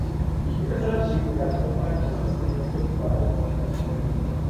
Esta zona turística cuenta con alojamientos para los visitantes.